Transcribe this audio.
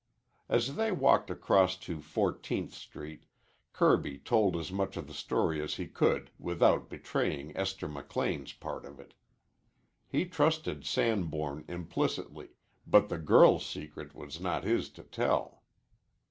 As they walked across to Fourteenth Street, Kirby told as much of the story as he could without betraying Esther McLean's part in it. He trusted Sanborn implicitly, but the girl's secret was not his to tell.